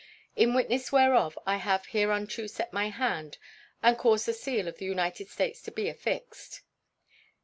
In witness whereof I have hereunto set my hand and caused the seal of the United States to be affixed.